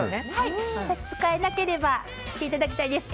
差し支えなければ来ていただきたいです。